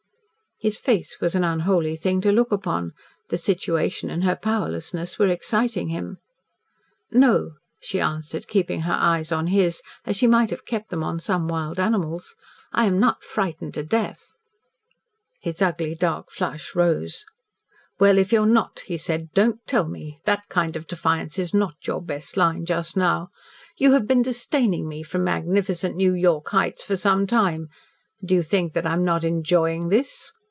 His face was an unholy thing to look upon. The situation and her powerlessness were exciting him. "No," she answered, keeping her eyes on his, as she might have kept them on some wild animal's, "I am not frightened to death." His ugly dark flush rose. "Well, if you are not," he said, "don't tell me so. That kind of defiance is not your best line just now. You have been disdaining me from magnificent New York heights for some time. Do you think that I am not enjoying this?"